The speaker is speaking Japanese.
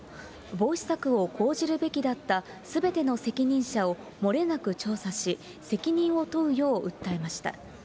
防止策を講じるべきだったすべての責任者をもれなく調査し、責任を問うよう訴えました。